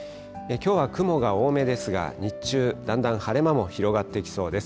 きょうは雲が多めですが、日中、だんだん晴れ間も広がってきそうです。